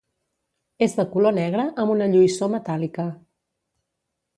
És de color negre amb una lluïssor metàl·lica.